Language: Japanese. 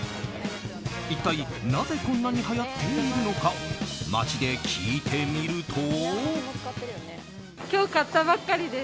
一体なぜこんなにはやっているのか街で聞いてみると。